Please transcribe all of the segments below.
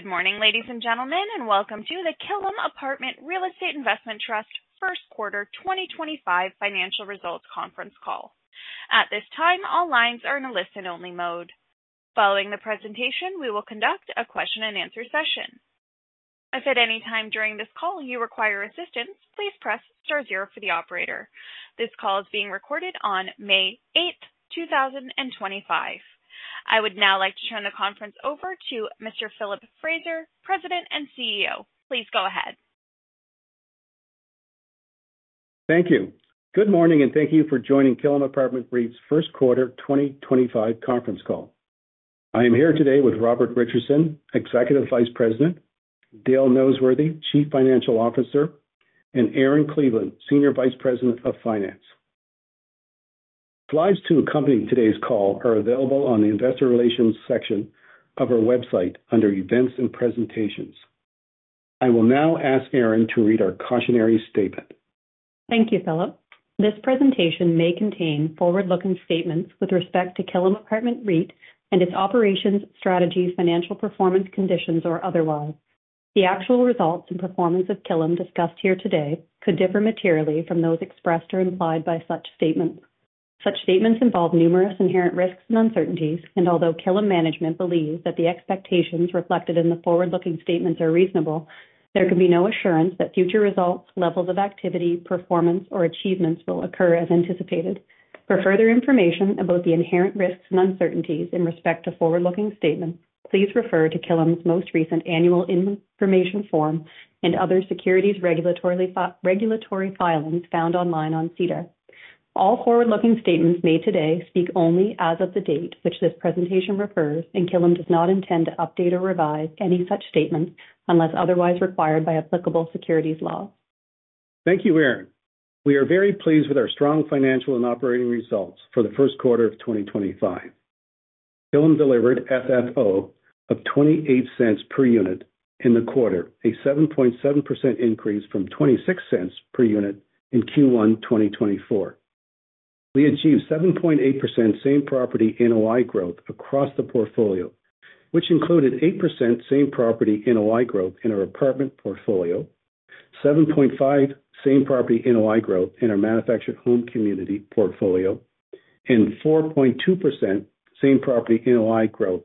Good morning, ladies and gentlemen, and welcome to the Killam Apartment Real Estate Investment Trust First Quarter 2025 Financial Results Conference Call. At this time, all lines are in a listen-only mode. Following the presentation, we will conduct a question-and-answer session. If at any time during this call you require assistance, please press *0 for the operator. This call is being recorded on May 8th, 2025. I would now like to turn the conference over to Mr. Philip Fraser, President and CEO. Please go ahead. Thank you. Good morning, and thank you for joining Killam Apartment REIT's First Quarter 2025 Conference Call. I am here today with Robert Richardson, Executive Vice President, Dale Noseworthy, Chief Financial Officer, and Erin Cleveland, Senior Vice President of Finance. Slides to accompany today's call are available on the Investor Relations section of our website under Events and Presentations. I will now ask Erin to read our cautionary statement. Thank you, Philip. This presentation may contain forward-looking statements with respect to Killam Apartment REIT and its operations, strategy, financial performance, conditions, or otherwise. The actual results and performance of Killam discussed here today could differ materially from those expressed or implied by such statements. Such statements involve numerous inherent risks and uncertainties, and although Killam Management believes that the expectations reflected in the forward-looking statements are reasonable, there can be no assurance that future results, levels of activity, performance, or achievements will occur as anticipated. For further information about the inherent risks and uncertainties in respect to forward-looking statements, please refer to Killam's most recent annual information form and other securities regulatory filings found online on SEDAR. All forward-looking statements made today speak only as of the date which this presentation refers, and Killam does not intend to update or revise any such statements unless otherwise required by applicable securities law. Thank you, Erin. We are very pleased with our strong financial and operating results for the first quarter of 2025. Killam delivered FFO of 0.28 per unit in the quarter, a 7.7% increase from 0.26 per unit in Q1 2024. We achieved 7.8% same property NOI growth across the portfolio, which included 8% same property NOI growth in our apartment portfolio, 7.5% same property NOI growth in our manufactured home community portfolio, and 4.2% same property NOI growth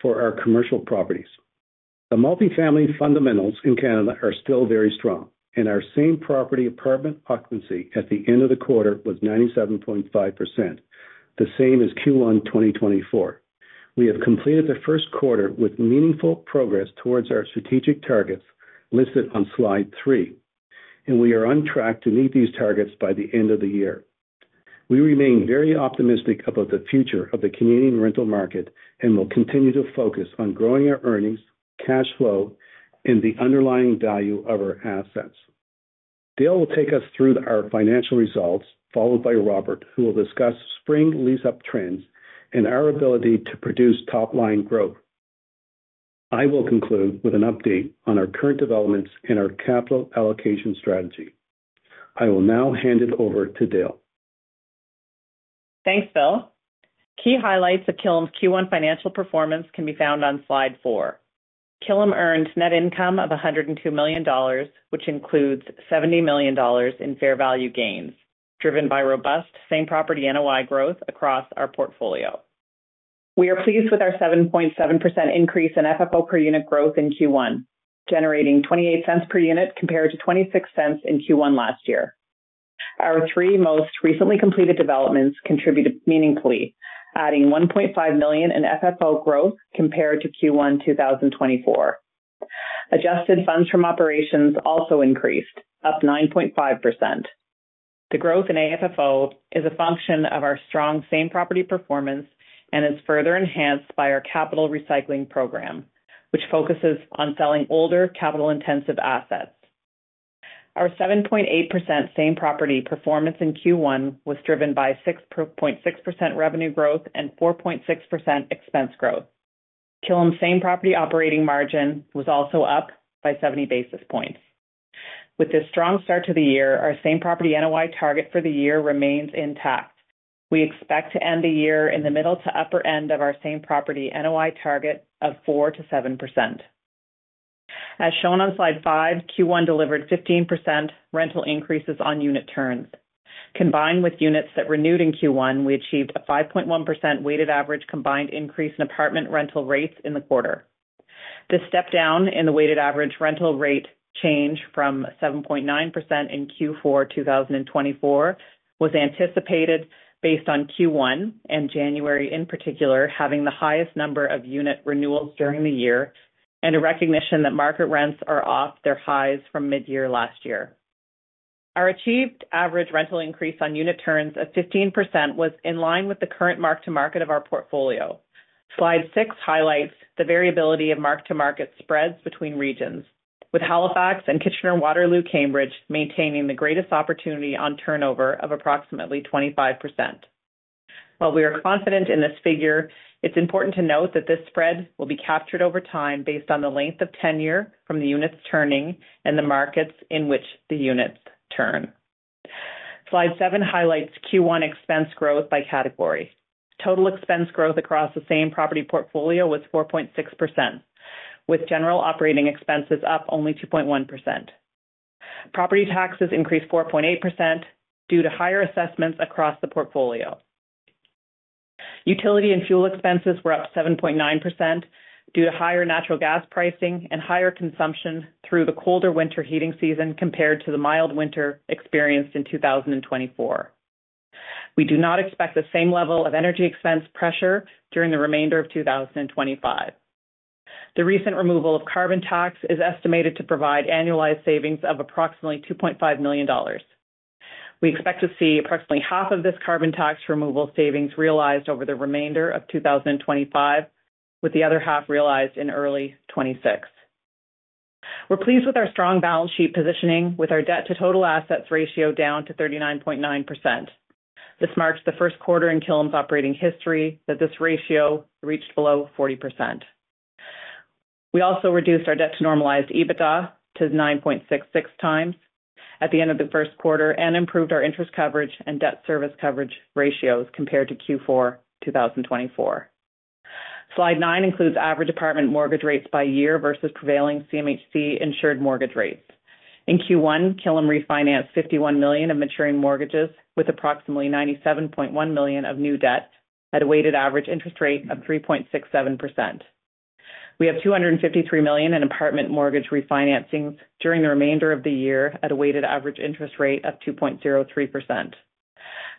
for our commercial properties. The multifamily fundamentals in Canada are still very strong, and our same property apartment occupancy at the end of the quarter was 97.5%, the same as Q1 2024. We have completed the first quarter with meaningful progress towards our strategic targets listed on slide three, and we are on track to meet these targets by the end of the year. We remain very optimistic about the future of the Canadian rental market and will continue to focus on growing our earnings, cash flow, and the underlying value of our assets. Dale will take us through our financial results, followed by Robert, who will discuss spring lease-up trends and our ability to produce top-line growth. I will conclude with an update on our current developments and our capital allocation strategy. I will now hand it over to Dale. Thanks, Phil. Key highlights of Killam's Q1 financial performance can be found on slide four. Killam earned net income of 102 million dollars, which includes 70 million dollars in fair value gains, driven by robust same property NOI growth across our portfolio. We are pleased with our 7.7% increase in FFO per unit growth in Q1, generating 0.28 per unit compared to 0.26 in Q1 last year. Our three most recently completed developments contributed meaningfully, adding 1.5 million in FFO growth compared to Q1 2024. Adjusted funds from operations also increased, up 9.5%. The growth in AFFO is a function of our strong same property performance and is further enhanced by our capital recycling program, which focuses on selling older capital-intensive assets. Our 7.8% same property performance in Q1 was driven by 6.6% revenue growth and 4.6% expense growth. Killam's same property operating margin was also up by 70 basis points. With this strong start to the year, our same property NOI target for the year remains intact. We expect to end the year in the middle to upper end of our same property NOI target of 4%-7%. As shown on slide five, Q1 delivered 15% rental increases on unit turns. Combined with units that renewed in Q1, we achieved a 5.1% weighted average combined increase in apartment rental rates in the quarter. This step down in the weighted average rental rate change from 7.9% in Q4 2024 was anticipated based on Q1 and January, in particular, having the highest number of unit renewals during the year and a recognition that market rents are off their highs from mid-year last year. Our achieved average rental increase on unit turns of 15% was in line with the current mark-to-market of our portfolio. Slide six highlights the variability of mark-to-market spreads between regions, with Halifax and Kitchener, Waterloo, Cambridge maintaining the greatest opportunity on turnover of approximately 25%. While we are confident in this figure, it's important to note that this spread will be captured over time based on the length of tenure from the units turning and the markets in which the units turn. Slide seven highlights Q1 expense growth by category. Total expense growth across the same property portfolio was 4.6%, with general operating expenses up only 2.1%. Property taxes increased 4.8% due to higher assessments across the portfolio. Utility and fuel expenses were up 7.9% due to higher natural gas pricing and higher consumption through the colder winter heating season compared to the mild winter experienced in 2024. We do not expect the same level of energy expense pressure during the remainder of 2025. The recent removal of carbon tax is estimated to provide annualized savings of approximately 2.5 million dollars. We expect to see approximately half of this carbon tax removal savings realized over the remainder of 2025, with the other half realized in early 2026. We're pleased with our strong balance sheet positioning, with our debt-to-total assets ratio down to 39.9%. This marks the first quarter in Killam's operating history that this ratio reached below 40%. We also reduced our debt-to-normalized EBITDA to 9.66 times at the end of the first quarter and improved our interest coverage and debt service coverage ratios compared to Q4 2024. Slide nine includes average apartment mortgage rates by year versus prevailing CMHC insured mortgage rates. In Q1, Killam refinanced 51 million of maturing mortgages, with approximately 97.1 million of new debt at a weighted average interest rate of 3.67%. We have 253 million in apartment mortgage refinancings during the remainder of the year at a weighted average interest rate of 2.03%.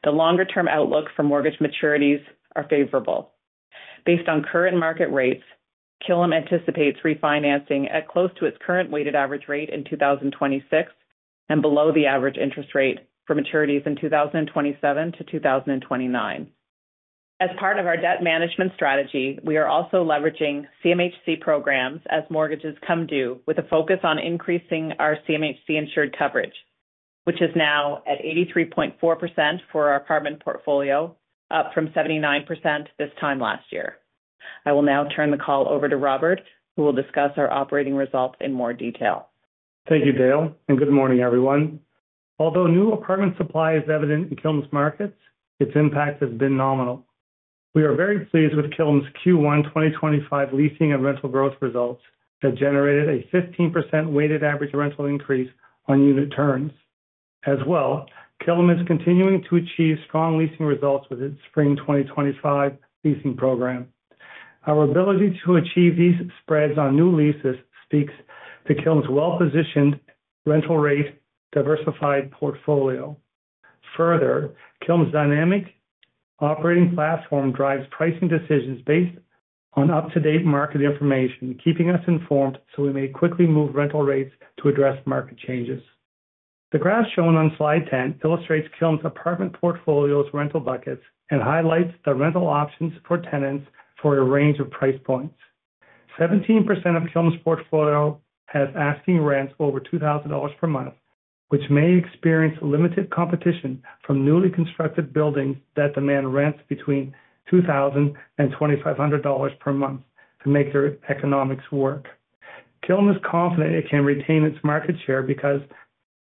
The longer-term outlook for mortgage maturities is favorable. Based on current market rates, Killam anticipates refinancing at close to its current weighted average rate in 2026 and below the average interest rate for maturities in 2027-2029. As part of our debt management strategy, we are also leveraging CMHC programs as mortgages come due, with a focus on increasing our CMHC insured coverage, which is now at 83.4% for our apartment portfolio, up from 79% this time last year. I will now turn the call over to Robert, who will discuss our operating results in more detail. Thank you, Dale, and good morning, everyone. Although new apartment supply is evident in Killam's markets, its impact has been nominal. We are very pleased with Killam's Q1 2025 leasing and rental growth results that generated a 15% weighted average rental increase on unit turns. As well, Killam is continuing to achieve strong leasing results with its Spring 2025 leasing program. Our ability to achieve these spreads on new leases speaks to Killam's well-positioned rental-rate diversified portfolio. Further, Killam's dynamic operating platform drives pricing decisions based on up-to-date market information, keeping us informed so we may quickly move rental rates to address market changes. The graph shown on slide 10 illustrates Killam's apartment portfolio's rental buckets and highlights the rental options for tenants for a range of price points. 17% of Killam's portfolio has asking rents over 2,000 dollars per month, which may experience limited competition from newly constructed buildings that demand rents between 2,000-2,500 dollars per month to make their economics work. Killam is confident it can retain its market share because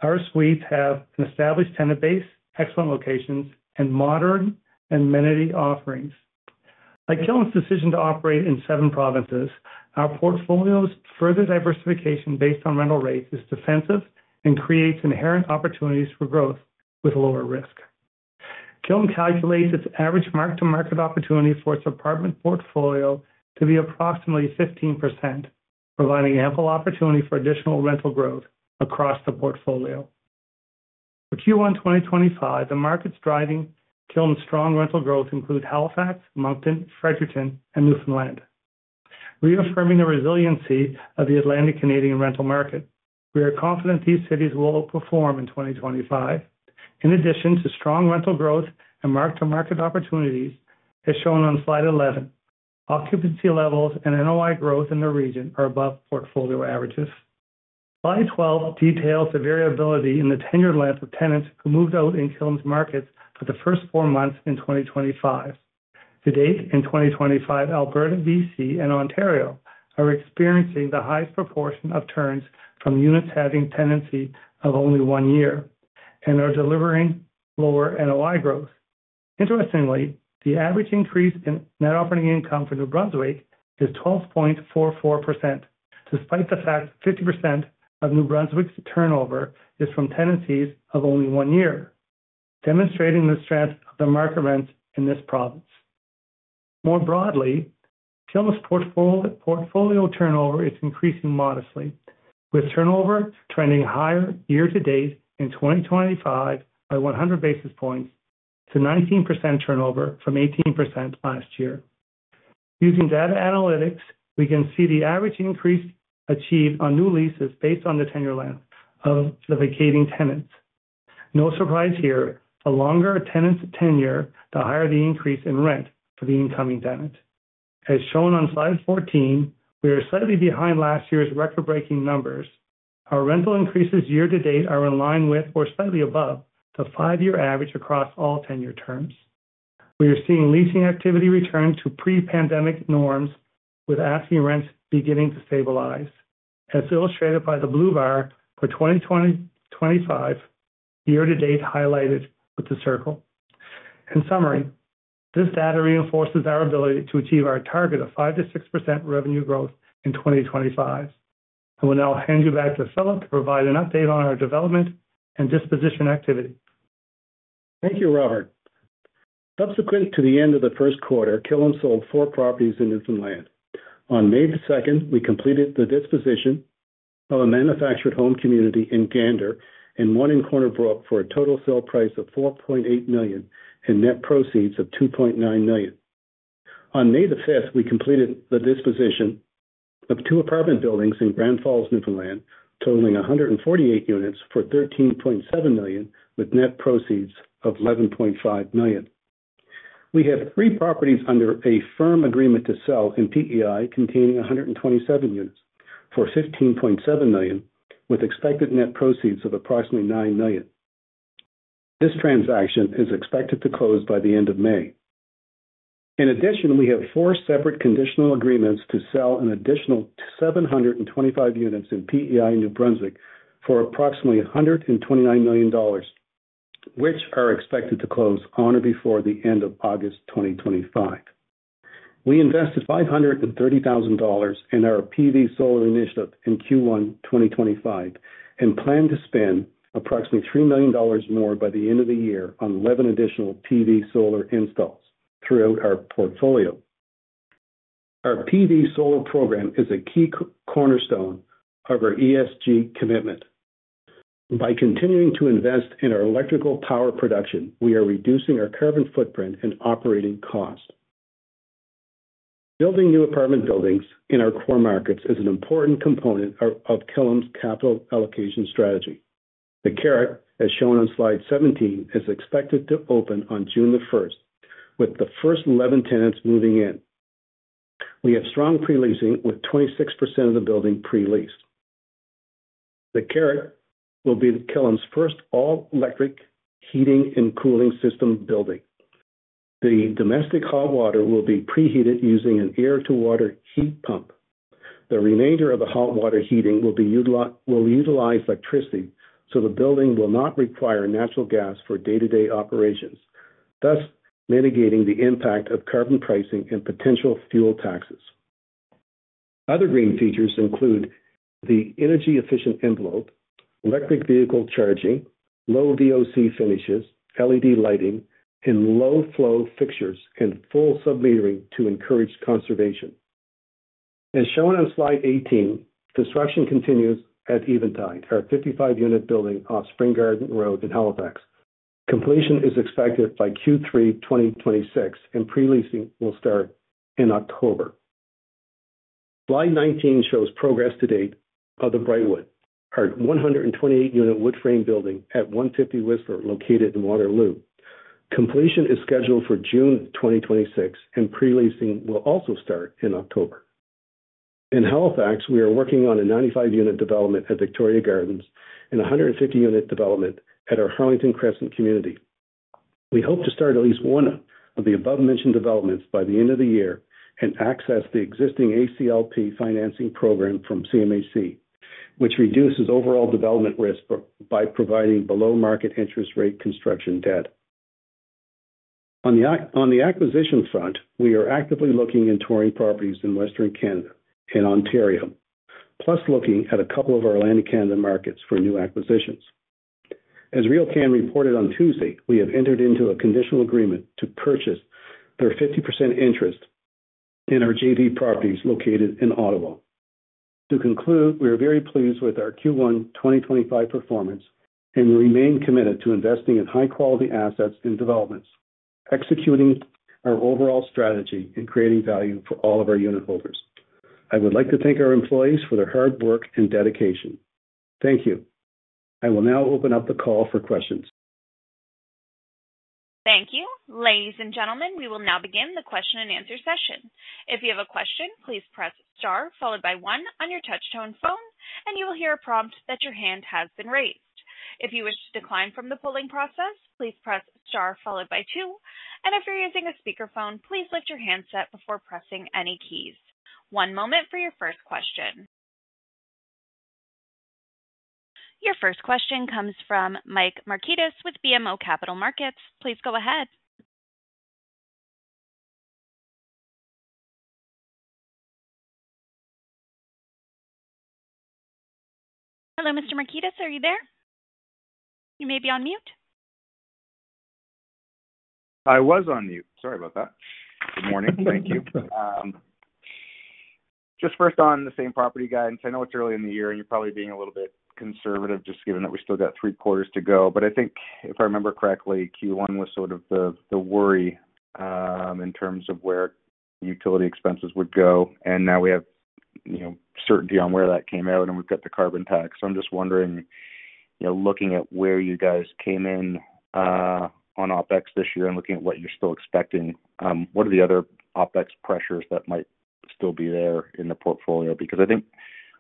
our suites have an established tenant base, excellent locations, and modern amenity offerings. Like Killam's decision to operate in seven provinces, our portfolio's further diversification based on rental rates is defensive and creates inherent opportunities for growth with lower risk. Killam calculates its average mark-to-market opportunity for its apartment portfolio to be approximately 15%, providing ample opportunity for additional rental growth across the portfolio. For Q1 2025, the markets driving Killam's strong rental growth include Halifax, Moncton, Fredericton, and Newfoundland. Reaffirming the resiliency of the Atlantic Canadian rental market, we are confident these cities will outperform in 2025. In addition to strong rental growth and mark-to-market opportunities, as shown on slide 11, occupancy levels and NOI growth in the region are above portfolio averages. Slide 12 details the variability in the tenure length of tenants who moved out in Killam's markets for the first four months in 2025. To date, in 2025, Alberta, BC, and Ontario are experiencing the highest proportion of turns from units having a tenancy of only one year and are delivering lower NOI growth. Interestingly, the average increase in net operating income for New Brunswick is 12.44%, despite the fact that 50% of New Brunswick's turnover is from tenancies of only one year, demonstrating the strength of the market rents in this province. More broadly, Killam's portfolio turnover is increasing modestly, with turnover trending higher year-to-date in 2025 by 100 basis points to 19% turnover from 18% last year. Using data analytics, we can see the average increase achieved on new leases based on the tenure length of the vacating tenants. No surprise here. The longer a tenant's tenure, the higher the increase in rent for the incoming tenant. As shown on slide 14, we are slightly behind last year's record-breaking numbers. Our rental increases year-to-date are in line with or slightly above the five-year average across all tenure terms. We are seeing leasing activity return to pre-pandemic norms, with asking rents beginning to stabilize, as illustrated by the blue bar for 2025 year-to-date highlighted with the circle. In summary, this data reinforces our ability to achieve our target of 5%-6% revenue growth in 2025. I will now hand you back to Philip to provide an update on our development and disposition activity. Thank you, Robert. Subsequent to the end of the first quarter, Killam sold four properties in Newfoundland. On May 2, we completed the disposition of a manufactured home community in Gander and one in Corner Brook for a total sale price of 4.8 million and net proceeds of 2.9 million. On May 5, we completed the disposition of two apartment buildings in Grand Falls, Newfoundland, totaling 148 units for 13.7 million, with net proceeds of 11.5 million. We have three properties under a firm agreement to sell in PEI containing 127 units for 15.7 million, with expected net proceeds of approximately 9 million. This transaction is expected to close by the end of May. In addition, we have four separate conditional agreements to sell an additional 725 units in PEI, New Brunswick, for approximately 129 million dollars, which are expected to close on or before the end of August 2025. We invested 530,000 dollars in our PV solar initiative in Q1 2025 and plan to spend approximately 3 million dollars more by the end of the year on 11 additional PV solar installs throughout our portfolio. Our PV solar program is a key cornerstone of our ESG commitment. By continuing to invest in our electrical power production, we are reducing our carbon footprint and operating cost. Building new apartment buildings in our core markets is an important component of Killam's capital allocation strategy. The Carrick, as shown on slide 17, is expected to open on June 1, with the first 11 tenants moving in. We have strong pre-leasing, with 26% of the building pre-leased. The Carrick will be Killam's first all-electric heating and cooling system building. The domestic hot water will be preheated using an air-to-water heat pump. The remainder of the hot water heating will utilize electricity, so the building will not require natural gas for day-to-day operations, thus mitigating the impact of carbon pricing and potential fuel taxes. Other green features include the energy-efficient envelope, electric vehicle charging, low VOC finishes, LED lighting, and low-flow fixtures and full submetering to encourage conservation. As shown on slide 18, construction continues at Eventide, our 55-unit building off Spring Garden Road in Halifax. Completion is expected by Q3 2026, and pre-leasing will start in October. Slide 19 shows progress to date of the Brightwood, our 128-unit wood frame building at 150 Whisper located in Waterloo. Completion is scheduled for June 2026, and pre-leasing will also start in October. In Halifax, we are working on a 95-unit development at Victoria Gardens and a 150-unit development at our Harlington Crescent community. We hope to start at least one of the above-mentioned developments by the end of the year and access the existing ACLP financing program from CMHC, which reduces overall development risk by providing below-market interest rate construction debt. On the acquisition front, we are actively looking and touring properties in Western Canada and Ontario, plus looking at a couple of our Atlantic Canada markets for new acquisitions. As RioCan reported on Tuesday, we have entered into a conditional agreement to purchase a 50% interest in our JV properties located in Ottawa. To conclude, we are very pleased with our Q1 2025 performance and remain committed to investing in high-quality assets and developments, executing our overall strategy and creating value for all of our unitholders. I would like to thank our employees for their hard work and dedication. Thank you. I will now open up the call for questions. Thank you. Ladies and gentlemen, we will now begin the question and answer session. If you have a question, please press * followed by 1on your touch-tone phone, and you will hear a prompt that your hand has been raised. If you wish to decline from the polling process, please press * followed by 2. If you're using a speakerphone, please lift your handset before pressing any keys. One moment for your first question. Your first question comes from Mike Marquitas with BMO Capital Markets. Please go ahead. Hello, Mr. Marquitas. Are you there? You may be on mute. I was on mute. Sorry about that. Good morning. Thank you. Just first on the same property guidance, I know it's early in the year and you're probably being a little bit conservative just given that we still got three quarters to go. I think, if I remember correctly, Q1 was sort of the worry in terms of where utility expenses would go. Now we have certainty on where that came out and we've got the carbon tax. I'm just wondering, looking at where you guys came in on OpEx this year and looking at what you're still expecting, what are the other OpEx pressures that might still be there in the portfolio? I think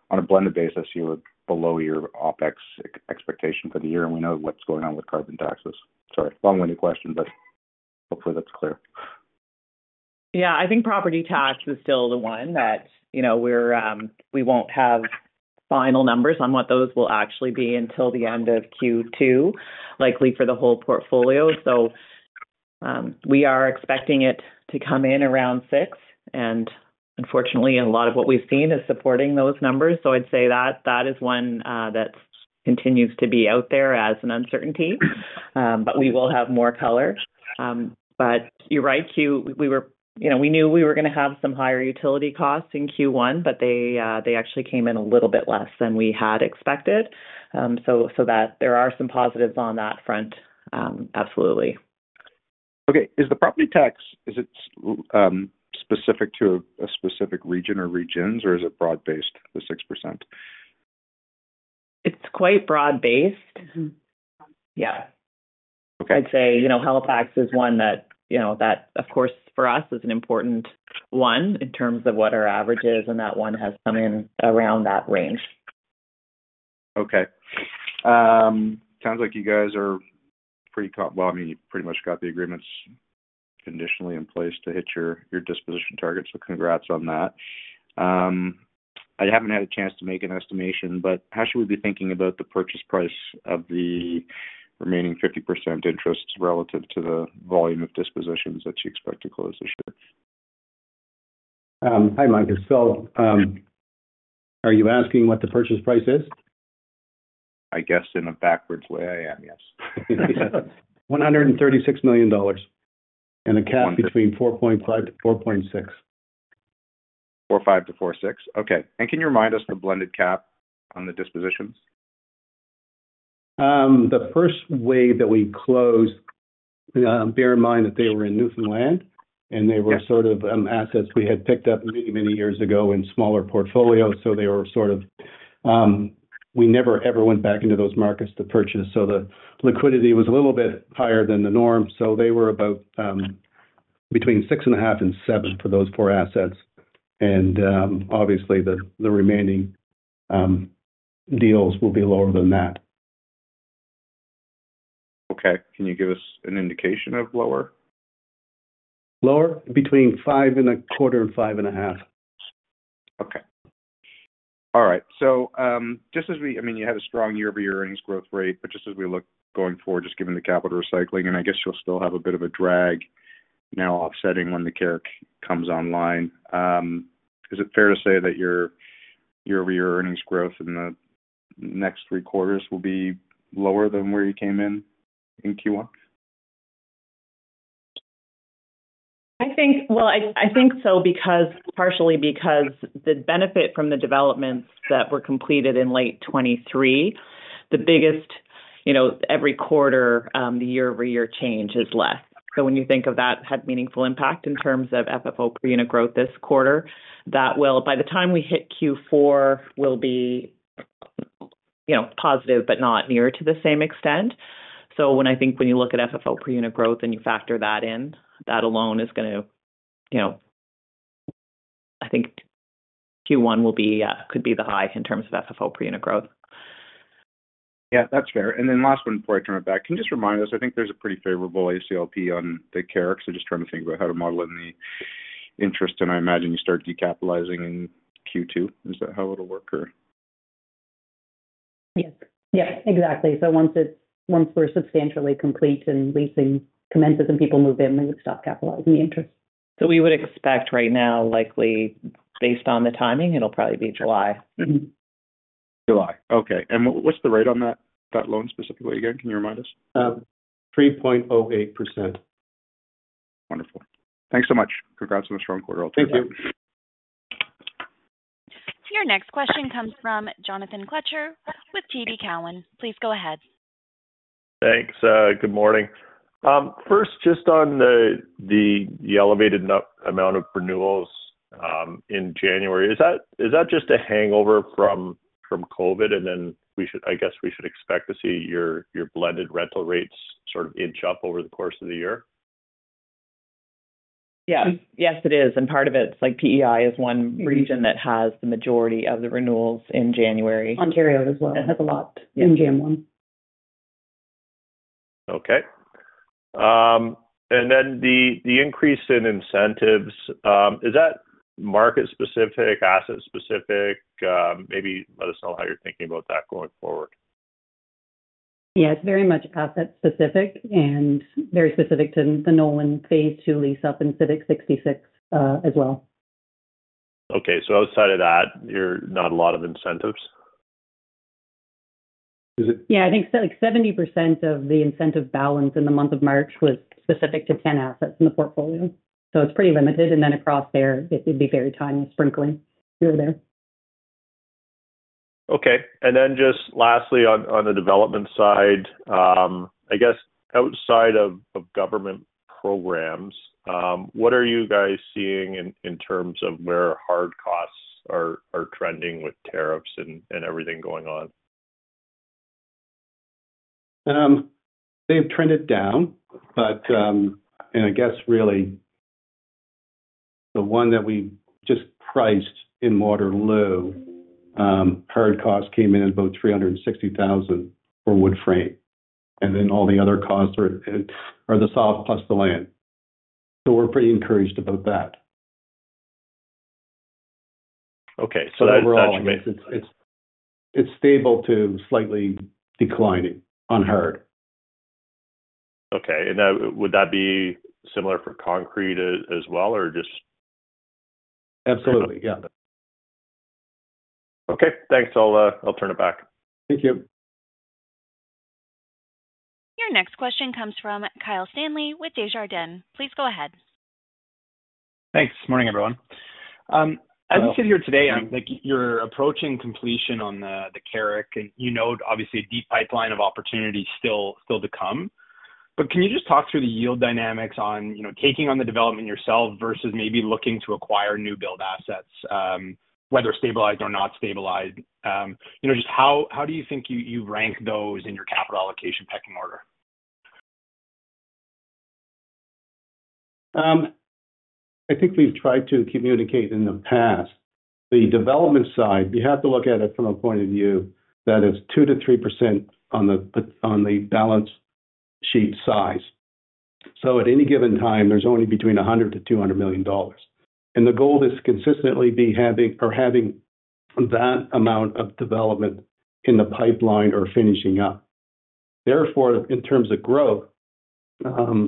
on a blended basis, you were below your OpEx expectation for the year, and we know what's going on with carbon taxes. Sorry, long-winded question, but hopefully that's clear. Yeah, I think property tax is still the one that we won't have final numbers on what those will actually be until the end of Q2, likely for the whole portfolio. We are expecting it to come in around six. Unfortunately, a lot of what we've seen is supporting those numbers. I'd say that that is one that continues to be out there as an uncertainty, but we will have more color. You're right, we knew we were going to have some higher utility costs in Q1, but they actually came in a little bit less than we had expected. There are some positives on that front, absolutely. Okay. Is the property tax, is it specific to a specific region or regions, or is it broad-based, the 6%? It's quite broad-based. Yeah. I'd say Halifax is one that, of course, for us is an important one in terms of what our average is, and that one has come in around that range. Okay. Sounds like you guys are pretty—I mean, you pretty much got the agreements conditionally in place to hit your disposition target, so congrats on that. I haven't had a chance to make an estimation, but how should we be thinking about the purchase price of the remaining 50% interest relative to the volume of dispositions that you expect to close this year? Hi, Marquitas. Are you asking what the purchase price is? I guess in a backwards way, I am, yes. 136 million. And a cap between 4.5-4.6. 4.5-4.6. Okay. And can you remind us the blended cap on the dispositions? The first wave that we closed, bear in mind that they were in Newfoundland and they were sort of assets we had picked up many, many years ago in smaller portfolios. They were sort of—we never ever went back into those markets to purchase. The liquidity was a little bit higher than the norm. They were about between 6.5% and 7% for those four assets. Obviously, the remaining deals will be lower than that. Okay. Can you give us an indication of lower? Lower? Between 5.25 and 5.5. Okay. All right. So just as we—I mean, you had a strong year-over-year earnings growth rate, but just as we look going forward, just given the capital recycling, and I guess you'll still have a bit of a drag now offsetting when The Carrick comes online. Is it fair to say that your year-over-year earnings growth in the next three quarters will be lower than where you came in in Q1? I think so partially because the benefit from the developments that were completed in late 2023, the biggest every quarter, the year-over-year change is less. When you think of that, it had meaningful impact in terms of FFO per unit growth this quarter. That will, by the time we hit Q4, be positive, but not near to the same extent. I think when you look at FFO per unit growth and you factor that in, that alone is going to—I think Q1 could be the high in terms of FFO per unit growth. Yeah, that's fair. Last one before I turn it back, can you just remind us? I think there's a pretty favorable ACLP on the Carrick. Just trying to think about how to model in the interest. I imagine you start decapitalizing in Q2. Is that how it'll work, or? Yes. Yeah, exactly. Once we're substantially complete and leasing commences and people move in, we would stop capitalizing the interest. We would expect right now, likely based on the timing, it'll probably be July. July. Okay. What is the rate on that loan specifically again? Can you remind us? 3.08%. Wonderful. Thanks so much. Congrats on the strong quarter. I'll take it. Thank you. Your next question comes from Jonathan Kelcher with TD Cowen. Please go ahead. Thanks. Good morning. First, just on the elevated amount of renewals in January, is that just a hangover from COVID? I guess we should expect to see your blended rental rates sort of inch up over the course of the year? Yeah. Yes, it is. Part of it is like PEI is one region that has the majority of the renewals in January. Ontario as well. It has a lot in Guelph. Okay. The increase in incentives, is that market-specific, asset-specific? Maybe let us know how you're thinking about that going forward. Yeah, it's very much asset-specific and very specific to the Nolan Phase II lease up in Civic 66 as well. Okay. So outside of that, not a lot of incentives? Yeah. I think 70% of the incentive balance in the month of March was specific to 10 assets in the portfolio. It is pretty limited. Across there, it would be a very tiny sprinkling here or there. Okay. Lastly, on the development side, I guess outside of government programs, what are you guys seeing in terms of where hard costs are trending with tariffs and everything going on? They've trended down. I guess really the one that we just priced in Waterloo, hard costs came in at about 360,000 for wood frame. All the other costs are the soft plus the land. We're pretty encouraged about that. Okay. So that's estimate. Overall, it's stable to slightly declining on hard. Okay. Would that be similar for concrete as well, or just? Absolutely. Yeah. Okay. Thanks. I'll turn it back. Thank you. Your next question comes from Kyle Stanley with Desjardins. Please go ahead. Thanks. Morning, everyone. As you sit here today, you're approaching completion on The Carrick, and you know obviously a deep pipeline of opportunities still to come. Can you just talk through the yield dynamics on taking on the development yourself versus maybe looking to acquire new build assets, whether stabilized or not stabilized? Just how do you think you rank those in your capital allocation pecking order? I think we've tried to communicate in the past. The development side, you have to look at it from a point of view that it's 2%-3% on the balance sheet size. At any given time, there's only between 100 million-200 million dollars. The goal is to consistently be having or having that amount of development in the pipeline or finishing up. Therefore, in terms of growth,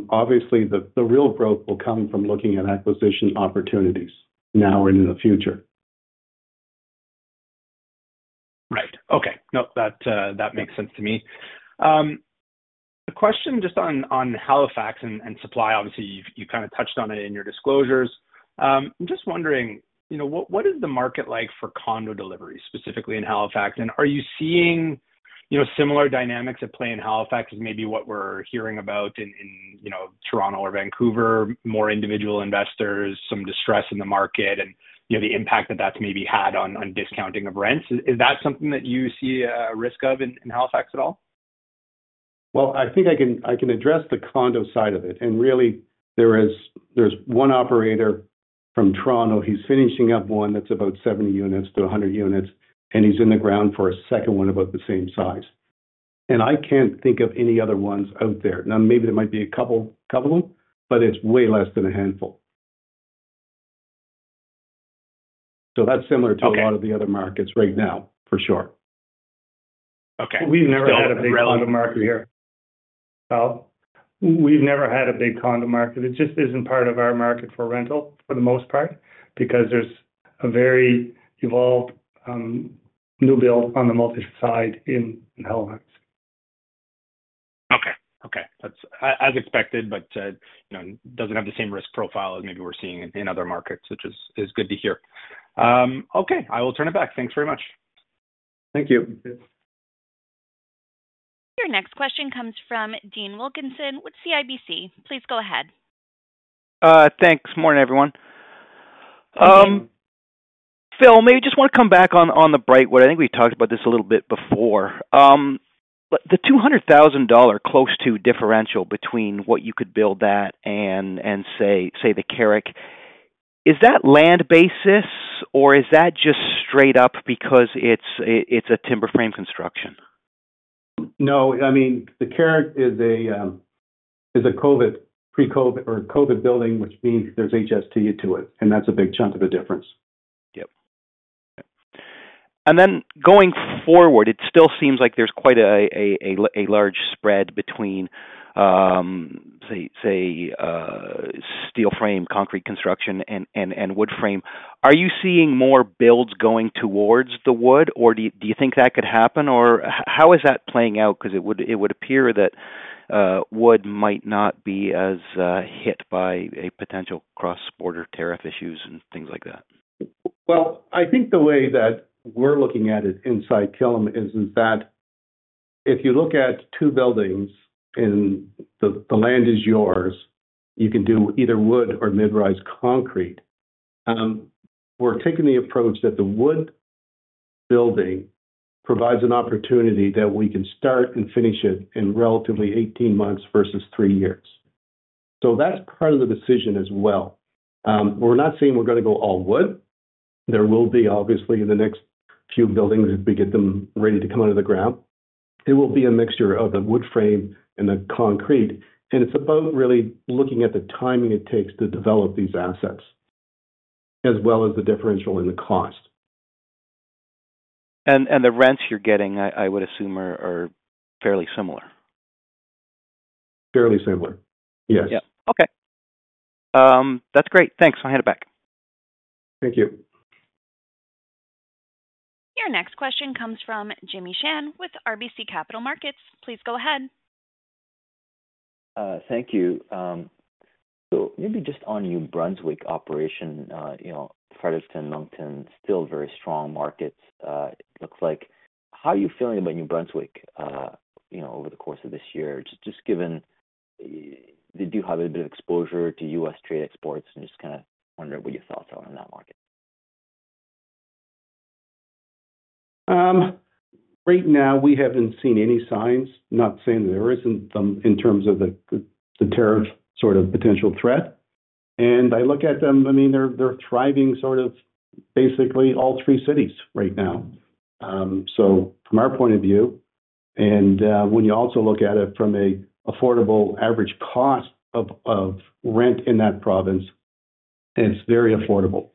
obviously the real growth will come from looking at acquisition opportunities now and in the future. Right. Okay. No, that makes sense to me. A question just on Halifax and supply. Obviously, you kind of touched on it in your disclosures. I'm just wondering, what is the market like for condo delivery, specifically in Halifax? And are you seeing similar dynamics at play in Halifax as maybe what we're hearing about in Toronto or Vancouver, more individual investors, some distress in the market, and the impact that that's maybe had on discounting of rents? Is that something that you see a risk of in Halifax at all? I think I can address the condo side of it. Really, there's one operator from Toronto. He's finishing up one that's about 70-100 units, and he's in the ground for a second one about the same size. I can't think of any other ones out there. Now, maybe there might be a couple of them, but it's way less than a handful. That's similar to a lot of the other markets right now, for sure. We've never had a big condo market here. We've never had a big condo market. It just isn't part of our market for rental for the most part because there's a very evolved new build on the multi-side in Halifax. Okay. Okay. That's as expected, but doesn't have the same risk profile as maybe we're seeing in other markets, which is good to hear. Okay. I will turn it back. Thanks very much. Thank you. Your next question comes from Dean Wilkinson with CIBC. Please go ahead. Thanks. Morning, everyone. Phil, maybe just want to come back on the Brightwood. I think we talked about this a little bit before. The $200,000 close to differential between what you could build that and say the Carrick, is that land basis, or is that just straight up because it's a timber frame construction? No. I mean, the Carrick is a COVID or COVID building, which means there's HST to it. And that's a big chunk of the difference. Yep. Got it. Going forward, it still seems like there is quite a large spread between, say, steel frame, concrete construction, and wood frame. Are you seeing more builds going towards the wood, or do you think that could happen? How is that playing out? It would appear that wood might not be as hit by potential cross-border tariff issues and things like that. I think the way that we're looking at it inside Killam is that if you look at two buildings and the land is yours, you can do either wood or mid-rise concrete. We're taking the approach that the wood building provides an opportunity that we can start and finish it in relatively 18 months versus three years. That's part of the decision as well. We're not saying we're going to go all wood. There will be, obviously, in the next few buildings if we get them ready to come out of the ground. It will be a mixture of the wood frame and the concrete. It's about really looking at the timing it takes to develop these assets as well as the differential in the cost. The rents you're getting, I would assume, are fairly similar. Fairly similar. Yes. Yeah. Okay. That's great. Thanks. I'll hand it back. Thank you. Your next question comes from Jimmy Shan with RBC Capital Markets. Please go ahead. Thank you. Maybe just on New Brunswick operation, Fredericton, Moncton, still very strong markets, it looks like. How are you feeling about New Brunswick over the course of this year? Just given that you do have a bit of exposure to U.S. trade exports and just kind of wonder what your thoughts are on that market. Right now, we have not seen any signs, not saying that there is not in terms of the tariff sort of potential threat. I look at them, I mean, they are thriving sort of basically all three cities right now. From our point of view, and when you also look at it from an affordable average cost of rent in that province, it is very affordable,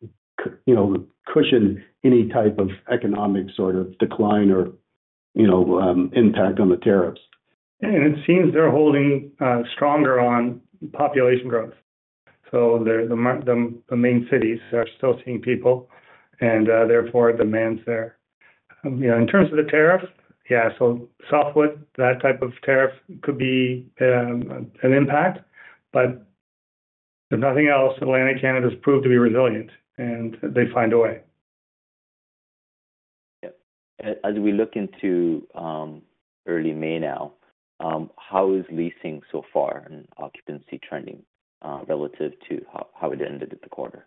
which helps cushion any type of economic sort of decline or impact on the tariffs. It seems they are holding stronger on population growth. The main cities are still seeing people, and therefore, demand is there. In terms of the tariff, yeah, softwood, that type of tariff could be an impact. If nothing else, Atlantic Canada has proved to be resilient, and they find a way. Yep. As we look into early May now, how is leasing so far and occupancy trending relative to how it ended at the quarter?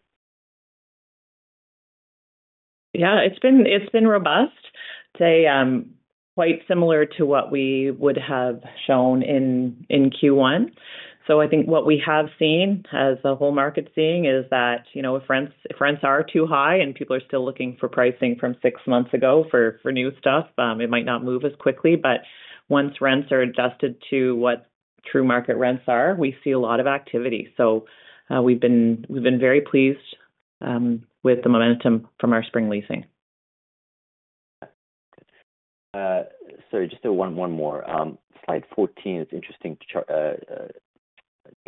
Yeah. It's been robust. Say quite similar to what we would have shown in Q1. I think what we have seen, as the whole market is seeing, is that if rents are too high and people are still looking for pricing from six months ago for new stuff, it might not move as quickly. Once rents are adjusted to what true market rents are, we see a lot of activity. We have been very pleased with the momentum from our spring leasing. Yeah. Sorry, just one more.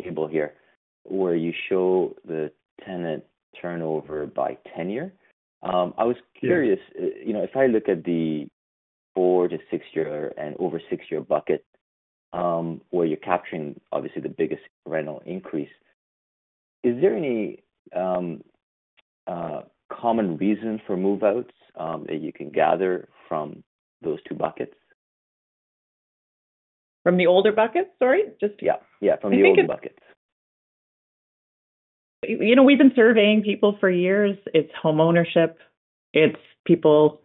Slide 14 is interesting, the table here where you show the tenant turnover by tenure. I was curious, if I look at the four-six-year and over six-year bucket where you're capturing obviously the biggest rental increase, is there any common reason for move-outs that you can gather from those two buckets? From the older buckets, sorry? Just. Yeah. Yeah. From the older buckets. We've been surveying people for years. It's homeownership. It's people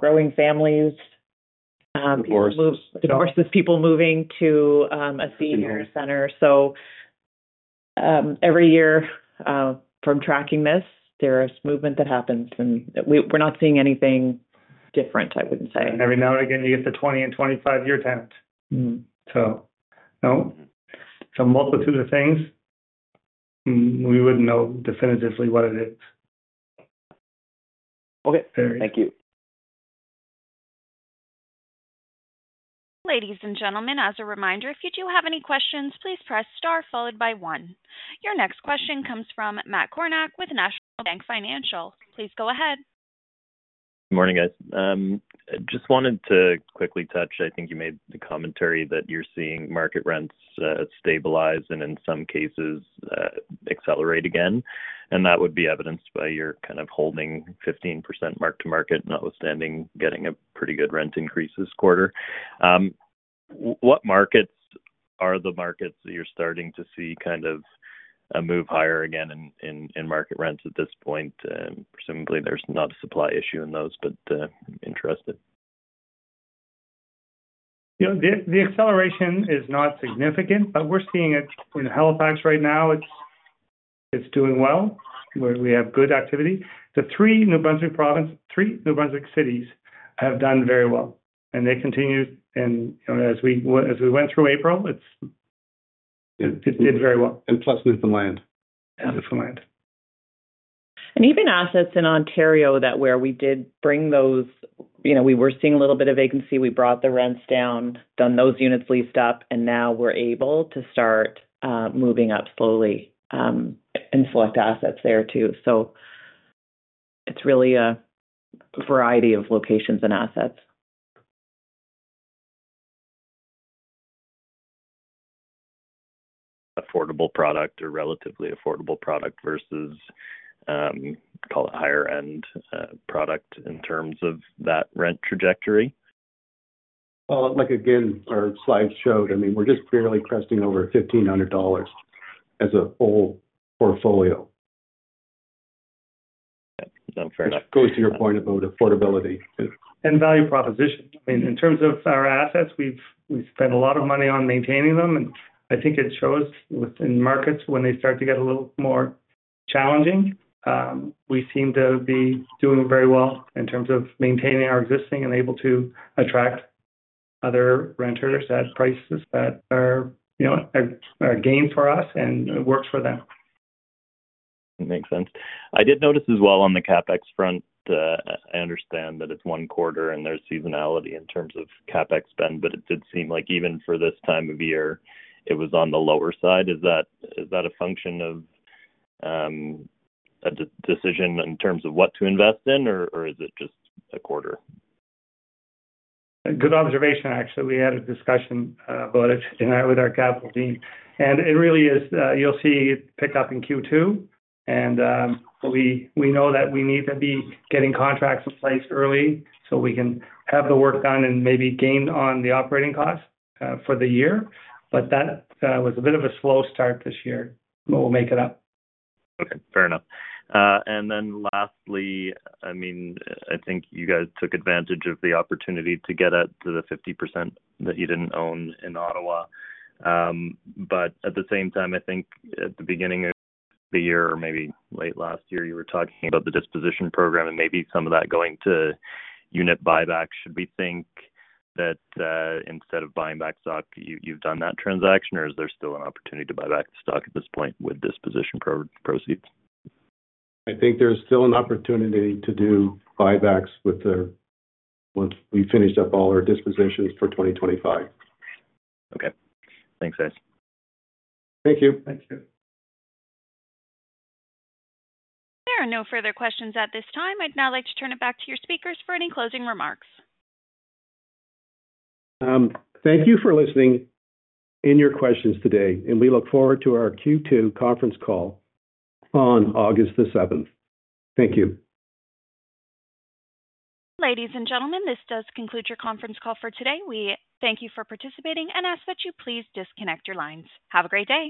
growing families. It's people moving to a senior center. Every year from tracking this, there is movement that happens. We're not seeing anything different, I wouldn't say. Every now and again, you get the 20-25 year tenant. A multitude of things. We would not know definitively what it is. Okay. Thank you. Ladies and gentlemen, as a reminder, if you do have any questions, please press * followed by 1. Your next question comes from Matt Kornack with National Bank Financial. Please go ahead. Morning, guys. Just wanted to quickly touch. I think you made the commentary that you're seeing market rents stabilize and in some cases accelerate again. That would be evidenced by your kind of holding 15% mark-to-market, notwithstanding getting a pretty good rent increase this quarter. What markets are the markets that you're starting to see kind of move higher again in market rents at this point? Presumably, there's not a supply issue in those, but interested. The acceleration is not significant, but we're seeing it in Halifax right now. It's doing well. We have good activity. The three New Brunswick cities have done very well. They continue. As we went through April, it did very well. Plus Newfoundland. Even assets in Ontario where we did bring those, we were seeing a little bit of vacancy. We brought the rents down, got those units leased up, and now we're able to start moving up slowly in select assets there too. It is really a variety of locations and assets. Affordable product or relatively affordable product versus, call it, higher-end product in terms of that rent trajectory? Again, our slides showed, I mean, we're just barely cresting over 1,500 dollars as a whole portfolio. Yeah. No, fair enough. Which goes to your point about affordability and value proposition. I mean, in terms of our assets, we spend a lot of money on maintaining them. I think it shows within markets when they start to get a little more challenging. We seem to be doing very well in terms of maintaining our existing and able to attract other renters at prices that are a gain for us and work for them. Makes sense. I did notice as well on the CapEx front, I understand that it's one quarter and there's seasonality in terms of CapEx spend, but it did seem like even for this time of year, it was on the lower side. Is that a function of a decision in terms of what to invest in, or is it just a quarter? Good observation, actually. We had a discussion about it tonight with our capital team. It really is, you'll see it pick up in Q2. We know that we need to be getting contracts in place early so we can have the work done and maybe gain on the operating costs for the year. That was a bit of a slow start this year, but we'll make it up. Okay. Fair enough. Lastly, I mean, I think you guys took advantage of the opportunity to get up to the 50% that you did not own in Ottawa. At the same time, I think at the beginning of the year or maybe late last year, you were talking about the disposition program and maybe some of that going to unit buyback. Should we think that instead of buying back stock, you have done that transaction, or is there still an opportunity to buy back the stock at this point with disposition proceeds? I think there's still an opportunity to do buybacks once we finish up all our dispositions for 2025. Okay. Thanks, guys. Thank you. Thanks. There are no further questions at this time. I'd now like to turn it back to your speakers for any closing remarks. Thank you for listening and your questions today. We look forward to our Q2 conference call on August 7. Thank you. Ladies and gentlemen, this does conclude your conference call for today. We thank you for participating and ask that you please disconnect your lines. Have a great day.